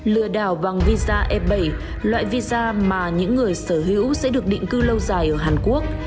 lừa đảo bằng visa e bảy loại visa mà những người sở hữu sẽ được định cư lâu dài ở hàn quốc